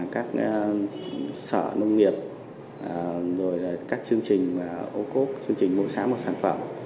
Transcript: các sở nông nghiệp các chương trình ô cốt chương trình mỗi sáng một sản phẩm